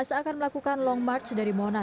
jangan lupa tonton video ini